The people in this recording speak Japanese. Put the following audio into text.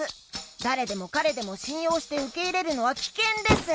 だれでもかれでもしんようしてうけいれるのはきけんです！